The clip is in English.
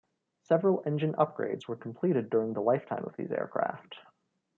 Several engine upgrades were completed during the lifetime of these aircraft.